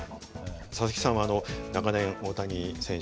佐々木さんは長年大谷選手